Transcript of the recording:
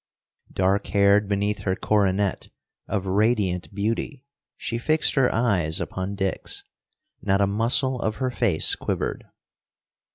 Dark haired beneath her coronet, of radiant beauty, she fixed her eyes upon Dick's. Not a muscle of her face quivered.